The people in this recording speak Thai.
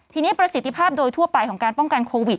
ทีนี้ประสิทธิภาพโดยทั่วไปของการป้องกันโควิด